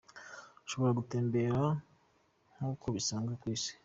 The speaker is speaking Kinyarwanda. Ushobora gutembera nkuko bisanzwe ku isi.